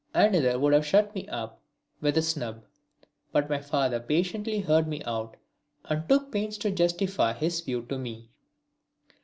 Another would have shut me up with a snub, but my father patiently heard me out and took pains to justify his view to me.